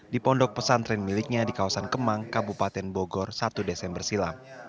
di pondok pesantren miliknya di kawasan kemang kabupaten bogor satu desember silam